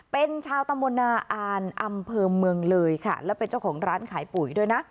เป็นชาวตำบลนาอ่านอำเภอเมืองเลยค่ะและเป็นเจ้าของร้านขายปุ๋ยด้วยนะ